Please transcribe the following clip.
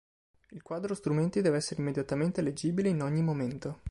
Il quadro strumenti deve essere immediatamente leggibile in ogni momento.